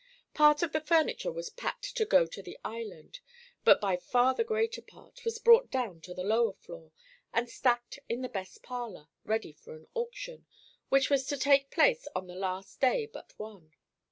Part of the furniture was packed to go to the Island, but by far the greater part was brought down to the lower floor, and stacked in the best parlor, ready for an auction, which was to take place on the last day but one.